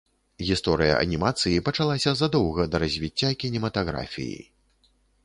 Гісторыя анімацыі пачалася задоўга да развіцця кінематаграфіі.